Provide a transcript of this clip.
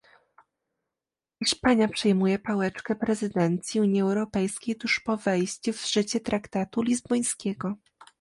Hiszpania przejmuje pałeczkę prezydencji Unii Europejskiej tuż po wejściu w życie traktatu lizbońskiego